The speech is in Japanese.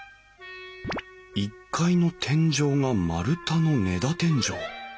１階の天井が丸太の根太天井。